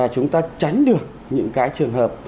chúng ta tránh được những cái trường hợp